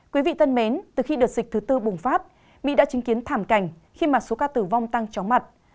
quý vị thân mến từ khi đợt dịch thứ tư bùng phát mỹ đã chứng kiến thảm cảnh khi mà số ca tử vong tăng chóng mặt